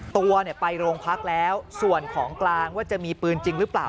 ตัวไปโรงพักแล้วส่วนของกลางว่าจะมีปืนจริงหรือเปล่า